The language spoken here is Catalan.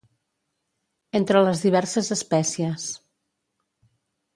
Entre les diverses espècies.